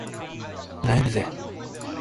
萎えるぜ